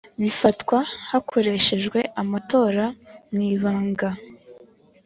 bifatwa hakoreshejwe amatora mu ibanga